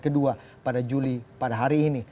kedua pada juli pada hari ini